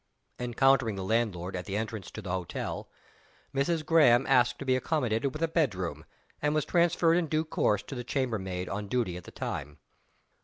Encountering the landlord at the entrance to the hotel, "Mrs. Graham" asked to be accommodated with a bedroom, and was transferred in due course to the chamber maid on duty at the time.